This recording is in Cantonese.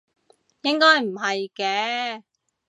應該唔係嘅